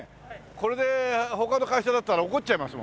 これで他の会社だったら怒っちゃいますもんね。